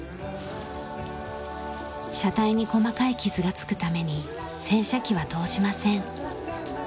車体に細かい傷が付くために洗車機は通しません。